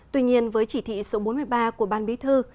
tuy nhiên với chỉ thị số bốn mươi ba của ban bí thư